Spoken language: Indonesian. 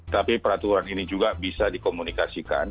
tapi peraturan ini juga bisa dikomunikasikan